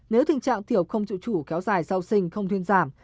nếu tình trạng tiểu không tự chủ kéo dài sau sinh không thiên giảm